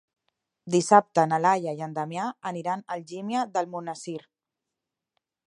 Dissabte na Laia i en Damià aniran a Algímia d'Almonesir.